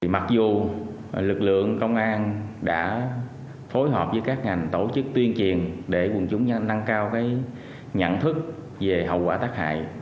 mặc dù lực lượng công an đã phối hợp với các ngành tổ chức tuyên truyền để quân chúng nâng cao nhận thức về hậu quả tác hại